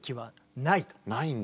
ないんだ。